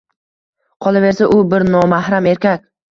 Qolaversa, u bir nomahram erkak